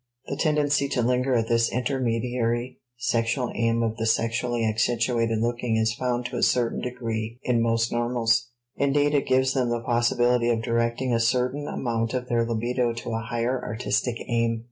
The tendency to linger at this intermediary sexual aim of the sexually accentuated looking is found to a certain degree in most normals; indeed it gives them the possibility of directing a certain amount of their libido to a higher artistic aim.